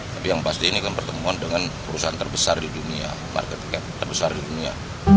tapi yang pasti ini kan pertemuan dengan perusahaan terbesar di dunia market terbesar di dunia